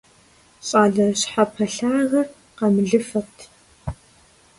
ЩӀалэ щхьэпэлъагэр къамылыфэт.